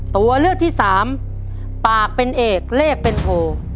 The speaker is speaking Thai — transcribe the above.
ตัวเลือกที่สามปากเป็นเอกเลขเป็นโท